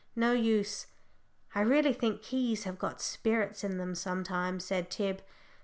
No use! "I really think keys have got spirits in them sometimes," said Tib.